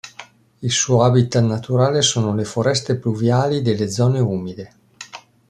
Il suo habitat naturale sono le foreste pluviali delle zone umide.